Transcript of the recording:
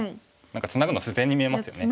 何かツナぐの自然に見えますよね。